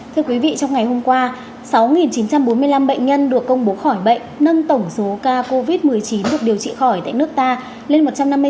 thưa quý vị trong ngày hôm qua sáu chín trăm bốn mươi năm bệnh nhân được công bố khỏi bệnh nâng tổng số ca covid một mươi chín được điều trị khỏi tại nước ta lên một trăm năm mươi bốn sáu trăm một mươi hai ca